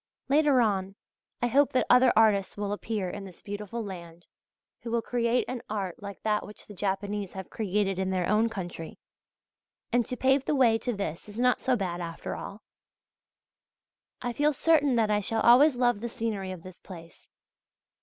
Later on, I hope that other artists will appear in this beautiful land, who will create an art like that which the Japanese have created in their own country; and to pave the way to this is not so bad after all. I feel certain that I shall always love the scenery of this place.